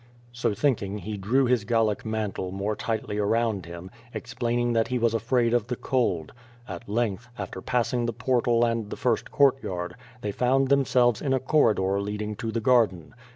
So thinking he drew his Gallic mantle more tightly around him, explaining that he was afraid of the cold. At length, after passing the portal and the first courtyard, they found themselves in a corridor leading to the garden.